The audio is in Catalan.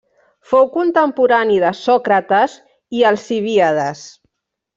Fou contemporani de Sòcrates i Alcibíades.